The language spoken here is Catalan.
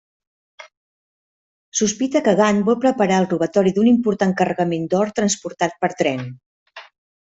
Sospita que Gant vol preparar el robatori d'un important carregament d'or transportat per tren.